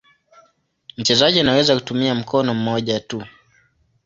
Mchezaji anaweza kutumia mkono mmoja tu.